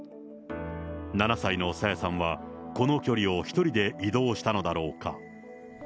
７歳の朝芽さんは、この距離を１人で移動したのだろうか。